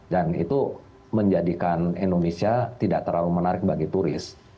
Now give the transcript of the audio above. dan itu menjadikan indonesia tidak terlalu menarik bagi turis